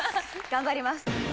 頑張ります